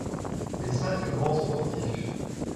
Les cinq grands sportifs.